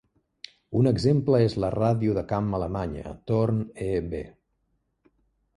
Un exemple és la ràdio de camp alemanya "Torn.E.b".